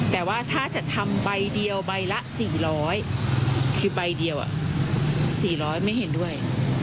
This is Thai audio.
แต่ว่าถ้าจะทำใบเดียวใบละ๔๐๐คือใบเดียว๔๐๐ไม่เห็นด้วย